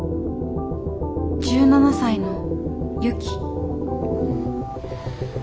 １７才のユキ。